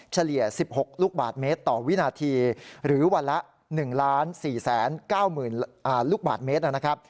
เฉลี่ย๑๖ลูกบาทเมตรต่อวินาทีหรือวันละ๑๔๙๐๐๐ลูกบาทเมตรนะครับ